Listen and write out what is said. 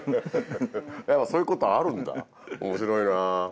そういうことあるんだ面白いな。